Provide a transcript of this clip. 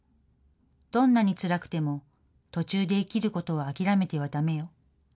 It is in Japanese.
どんなにつらくても途中で生きることを諦めてはだめよ。